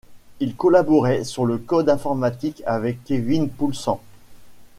Il collaborait sur le code informatique avec Kevin Poulsen.